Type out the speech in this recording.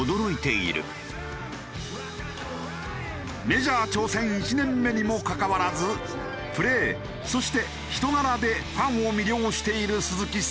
メジャー挑戦１年目にもかかわらずプレーそして人柄でファンを魅了している鈴木誠也。